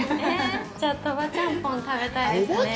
じゃあ、鳥羽ちゃんぽん食べたいですね。